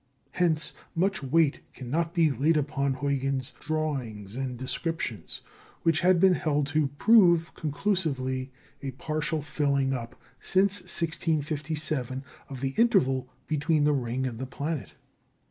Hence, much weight cannot be laid upon Huygens's drawings and descriptions, which had been held to prove conclusively a partial filling up, since 1657, of the interval between the ring and the planet.